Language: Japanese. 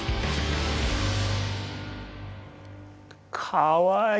かわいい！